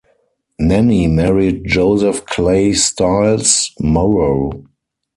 Nannie married Joseph Clay Stiles Morrow.